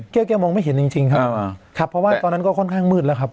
แก้วแกมองไม่เห็นจริงจริงครับครับเพราะว่าตอนนั้นก็ค่อนข้างมืดแล้วครับ